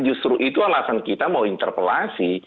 justru itu alasan kita mau interpelasi